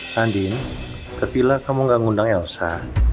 sandin kepilah kamu gak ngundang elsa